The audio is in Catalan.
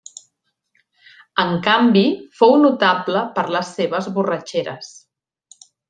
En canvi fou notable per les seves borratxeres.